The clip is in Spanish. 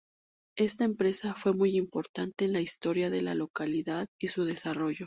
Esta empresa fue muy importante en la historia de la localidad y su desarrollo.